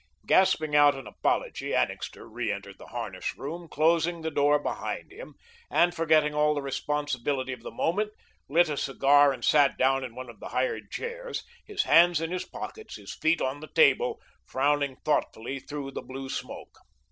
Gasping out an apology, Annixter reentered the harness room, closing the door behind him, and forgetting all the responsibility of the moment, lit a cigar and sat down in one of the hired chairs, his hands in his pockets, his feet on the table, frowning thoughtfully through the blue smoke.